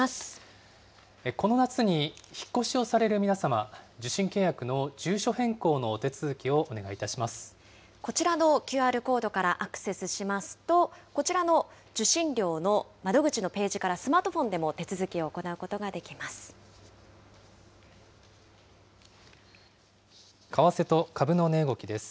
この夏に引っ越しをされる皆様、受信契約の住所変更のお手続こちらのＱＲコードからアクセスしますと、こちらの受信料の窓口のページからスマートフォンでも手続きを行為替と株の値動きです。